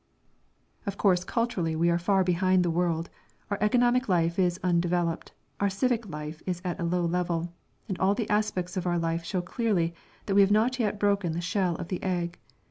Of course culturally we are far behind the world, our economic life is undeveloped, our civic life is at a low level, and all the aspects of our life show clearly that we have not as yet broken the shell of the egg.